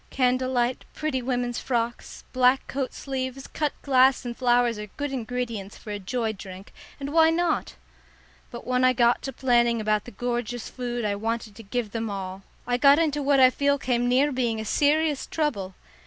Candle light, pretty women's frocks, black coat sleeves, cut glass and flowers are good ingredients for a joy drink, and why not? But when I got to planning about the gorgeous food I wanted to give them all, I got into what I feel came near being a serious trouble.